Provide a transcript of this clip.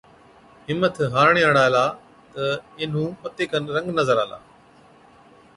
همٿ هارڻي هاڙا هِلا تہ اينهُون پتي کن رنگ نظر آلا۔